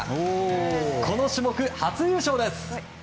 この種目、初優勝です！